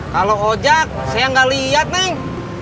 kalau ojek saya gak liat neng